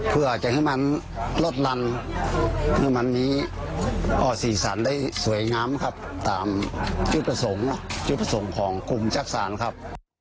เพื่อจะให้มันลดลันเพื่อมันมีอ่อสี่ศาลได้สวยงามตามจุดประสงค์ของกลุ่มจักรศาลครับ